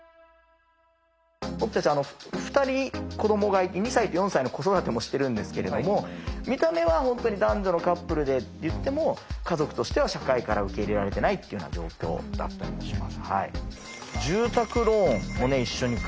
僕たち２人子どもがいて２歳と４歳の子育てもしてるんですけれども見た目は本当に男女のカップルでっていっても家族としては社会から受け入れられてないっていうような状況だったりもします。